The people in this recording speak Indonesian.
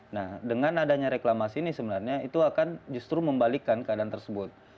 nah dengan adanya reklamasi ini sebenarnya itu akan justru membalikkan keadaan tersebut